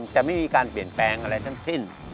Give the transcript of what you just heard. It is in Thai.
จะไม่มีการเปลี่ยนแปลงอะไรทั้งสิ้น